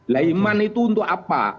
lah iman itu untuk apa